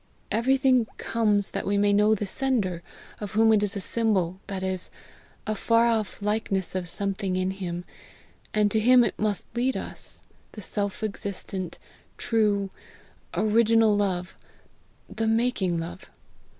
Everything comes that' we may know the sender of whom it is a symbol, that is, a far off likeness of something in him; and to him it must lead us the self existent, true, original love, the making love.